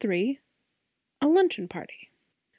A LUNCHEON PARTY.